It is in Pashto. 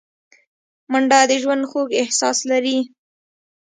منډه د ژوند خوږ احساس لري